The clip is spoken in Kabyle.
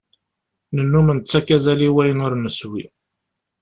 Nennum nettakk azal i wayen ur neswi.